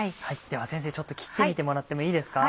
では先生切ってみてもらってもいいですか？